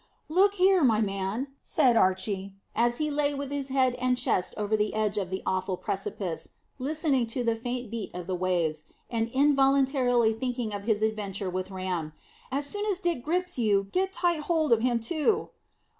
"Look here, my man," said Archy, as he lay with his head and chest over the edge of the awful precipice, listening to the faint beat of the waves, and involuntarily thinking of his adventure with Ram, "as soon as Dick grips you, get tight hold of him too."